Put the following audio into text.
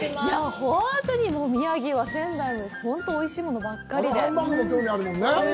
本当に仙台も本当においしいものばっかりで。